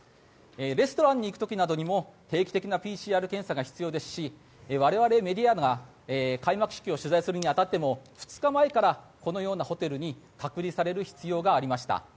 レストランに行く時などにも定期的なＰＣＲ検査が必要ですし我々メディアが開幕式を取材するに当たっても２日前からこのようなホテルに隔離される必要がありました。